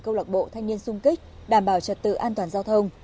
câu lạc bộ thanh niên sung kích đảm bảo trật tự an toàn giao thông